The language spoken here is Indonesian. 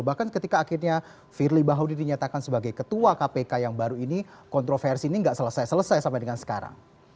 bahkan ketika akhirnya firly bahuri dinyatakan sebagai ketua kpk yang baru ini kontroversi ini nggak selesai selesai sampai dengan sekarang